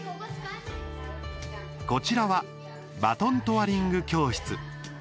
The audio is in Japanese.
こちらはバトントワリング教室。